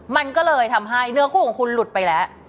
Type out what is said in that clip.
มันก็เลยทำให้เนื้อคู่ของคุณหลุดไปแล้ว